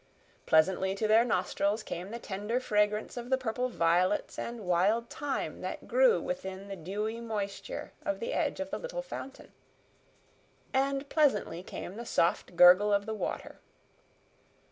Pleasantly to their nostrils came the tender fragrance of the purple violets and wild thyme that grew within the dewy moisture of the edge of the little fountain, and pleasantly came the soft gurgle of the water.